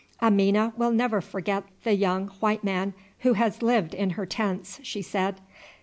"Amina will never forget the young white man who has lived in her tents," she said.